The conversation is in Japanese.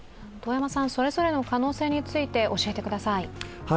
それぞれの可能性について教えてください。